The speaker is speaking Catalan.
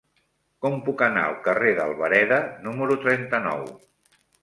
Com puc anar al carrer d'Albareda número trenta-nou?